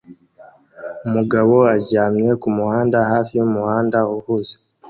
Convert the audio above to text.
Umugabo aryamye kumuhanda hafi yumuhanda uhuze